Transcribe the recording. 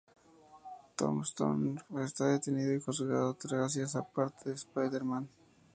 Tombstone está detenido y juzgado, gracias en parte a Spider-Man.